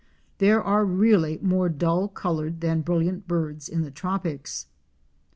There are really more dull colored than brilliant birds in the tropics.